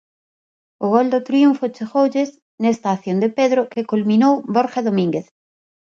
O gol do triunfo chegoulles nesta acción de Pedro que culminou Borja Domínguez.